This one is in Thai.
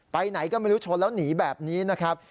ไปไหนก็ไม่รู้ชนแล้วหนีแบบนี้นะครับ